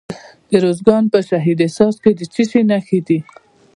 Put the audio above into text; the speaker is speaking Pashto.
د ارزګان په شهید حساس کې د څه شي نښې دي؟